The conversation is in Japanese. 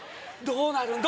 どうなる？